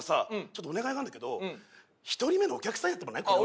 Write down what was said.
ちょっとお願いがあるんだけど１人目のお客さんやってもらえない？